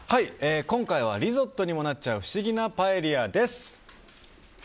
今回はリゾットにもなっちゃう不思議なパエリアです。